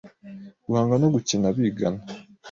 Guhanga no gukina bigana